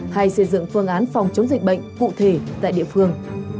hay xây dựng phương án phòng chống dịch bệnh cụ thể tại địa phương